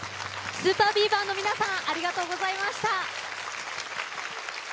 ＳＵＰＥＲＢＥＡＶＥＲの皆さん、ありがとうございました。